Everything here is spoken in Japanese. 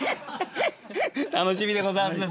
楽しみでございますね。